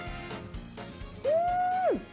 うん！